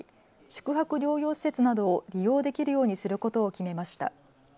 宿泊療養施設などを利用できるようにすることを決めました。